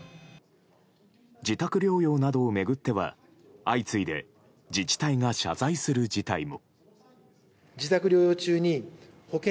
自宅療養などを巡っては相次いで自治体が謝罪する事態も。